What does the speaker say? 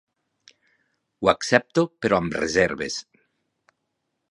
Ho accepto, però amb reserves.